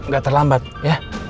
gak terlambat ya